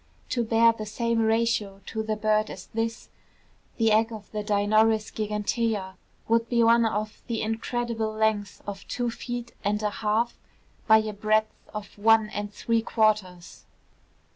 To bear the same ratio to the bird as this, the egg of the Dinornis gigantea would be of the incredible length of two feet and a half by a breadth of one and three quarters.